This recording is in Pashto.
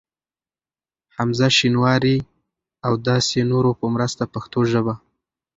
حمزه شینواري ا و داسی نورو په مرسته پښتو ژبه